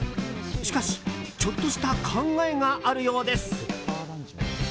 しかしちょっとした考えがあるようです。